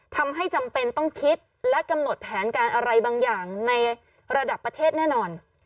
จำเป็นต้องคิดและกำหนดแผนการอะไรบางอย่างในระดับประเทศแน่นอน